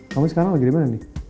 kamu sekarang lagi di mana nih